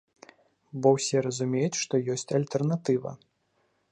Бо ўсе разумеюць, што ёсць альтэрнатыва.